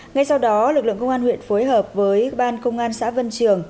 ngay sau đó lực lượng công an huyện phối hợp với ban công an xã vân trường